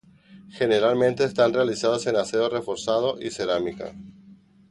Generalmente están realizados en acero reforzado y cerámica.